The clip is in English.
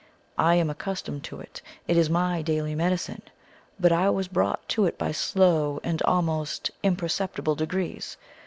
I am accustomed to it; it is my daily medicine. But I was brought to it by slow, and almost imperceptible degrees.